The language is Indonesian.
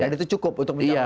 dan itu cukup untuk menurunkan